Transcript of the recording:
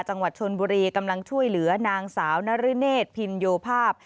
จังหวัดชนบุรีกำลังช่วยเหลือนางสาวนรเนศพินโยภาพ